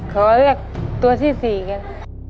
ขอเลือกตัวที่๔กัน